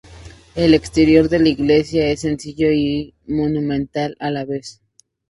El exterior de la iglesia es sencillo y monumental a la vez.